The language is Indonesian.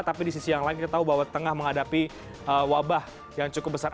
tapi di sisi yang lain kita tahu bahwa tengah menghadapi wabah yang cukup besar